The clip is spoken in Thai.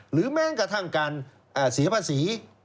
แม้กระทั่งการเสียภาษี